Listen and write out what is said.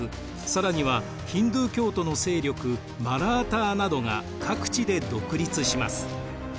更にはヒンドゥー教徒の勢力マラーターなどが各地で独立します。